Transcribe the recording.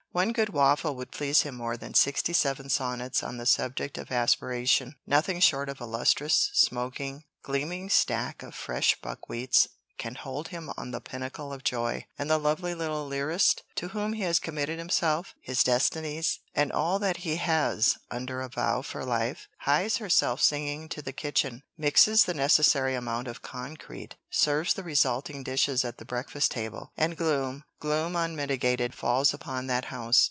One good waffle would please him more than sixty seven sonnets on the subject of 'Aspiration.' Nothing short of a lustrous, smoking, gleaming stack of fresh buckwheats can hold him on the pinnacle of joy, and the lovely little lyrist, to whom he has committed himself, his destinies, and all that he has under a vow for life, hies herself singing to the kitchen, mixes the necessary amount of concrete, serves the resulting dishes at the breakfast table, and gloom, gloom unmitigated, falls upon that house.